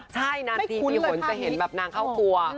ใช่นานทีปีหนจะเห็นแบบนางเข้าครัว